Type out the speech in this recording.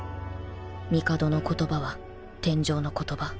帝の言葉は天上の言葉